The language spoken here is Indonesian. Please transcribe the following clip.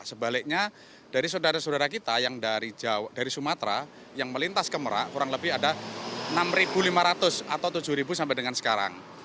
sebaliknya dari saudara saudara kita yang dari sumatera yang melintas ke merak kurang lebih ada enam lima ratus atau tujuh sampai dengan sekarang